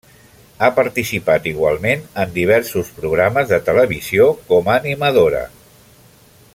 Ha participat igualment en diversos programes de televisió com a animadora.